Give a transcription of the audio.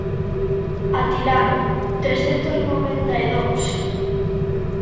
Atilano, trescentos noventa e dous.